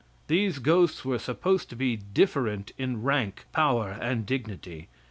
These ghosts were supposed to be different in rank, power and dignity.